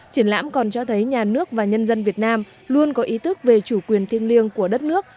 triển lãm còn cho thấy nhà nước và nhân dân việt nam luôn có ý thức về chủ quyền thiêng liêng của đất nước